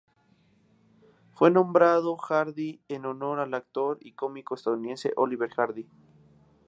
Fue nombrado Hardy en honor al actor y cómico estadounidense Oliver Hardy.